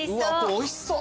おいしそう。